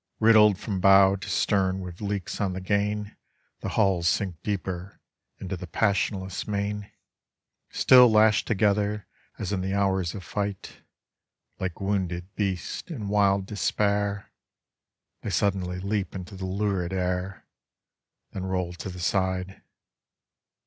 Riddled from bow to stern with leaks on the gain The hulls sink deeper into the passionless main, Still lashed together as in the hours of fight, Like wounded "beasts in wild despair, They suddenly leap into the lurid air, Then roll to the side.